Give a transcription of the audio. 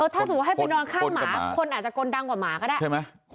ถ้าสมมุติให้ไปนอนข้างหมาคนอาจจะกลดังกว่าหมาก็ได้ใช่ไหม